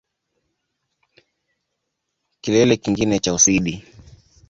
Kilele kingine cha Uswidi